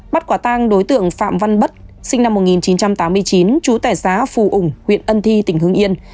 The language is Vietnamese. bắt quả tang đối tượng phạm văn bất sinh năm một nghìn chín trăm tám mươi chín chú tẻ xá phù ứng huyện ân thi tỉnh hương yên